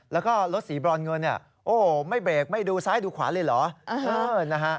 แล้วก็รถสีบรอนเงินเนี่ยโอ้โหไม่เบรกไม่ดูซ้ายดูขวาเลยเหรอ